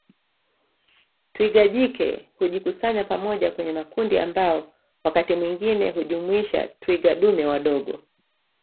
Twiga jike hujikusanya pamoja kwenye makundi ambao wakati mwingine hujumuisha twiga dume wadogo